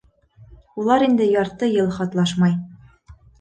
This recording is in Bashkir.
Улар инде ярты йыл хатлашмай.